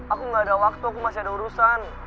aku gak ada waktu aku masih ada urusan